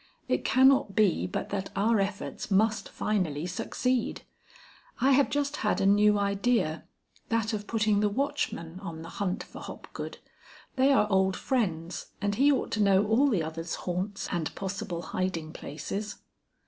It cannot be but that our efforts must finally succeed. I have just had a new idea; that of putting the watchman on the hunt for Hopgood. They are old friends, and he ought to know all the other's haunts and possible hiding places."